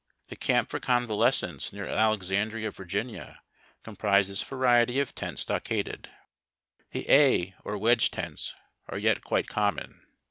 The camp for convalescents near Alexandria, Va., comprised this variety of tent stockaded. The A or Wedge tents are yet quite connnon.